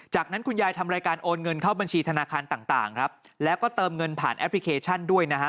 จากนั้นคุณยายทำรายการโอนเงินเข้าบัญชีธนาคารต่างต่างครับแล้วก็เติมเงินผ่านแอปพลิเคชันด้วยนะฮะ